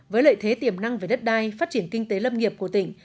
với lợi thế tiềm năng về đất đai phát triển kinh tế lâm nghiệp của tỉnh